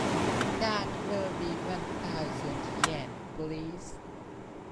That will be one thousand yen please.